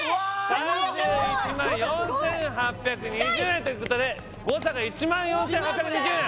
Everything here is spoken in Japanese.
３１万４８２０円ということで誤差すごい誤差が１万４８２０円